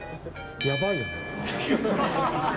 やばいよね。